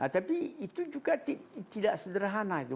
tapi itu juga tidak sederhana itu